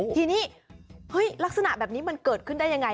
ทีนี้ลักษณะแบบนี้มันเกิดขึ้นได้ยังไง